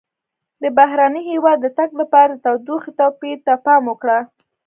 د بهرني هېواد د تګ لپاره د تودوخې توپیر ته پام وکړه.